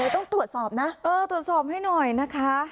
ต้องตรวจสอบนะตรวจสอบให้หน่อยนะคะ